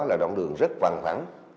là đoạn đường rất bằng phẳng